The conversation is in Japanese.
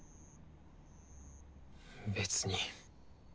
別に。